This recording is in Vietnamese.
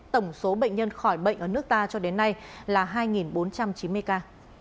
tổng số bệnh nhân khỏi bệnh ở nước ta cho đến nay là hai bốn trăm chín mươi ca